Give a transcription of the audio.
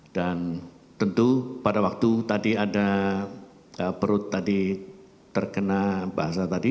tentu pada waktu tadi ada perut tadi terkena bahasa tadi